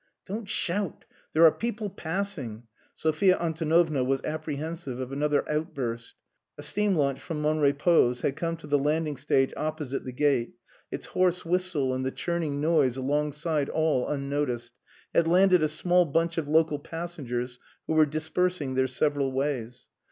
"Don't shout. There are people passing." Sophia Antonovna was apprehensive of another outburst. A steam launch from Monrepos had come to the landing stage opposite the gate, its hoarse whistle and the churning noise alongside all unnoticed, had landed a small bunch of local passengers who were dispersing their several ways.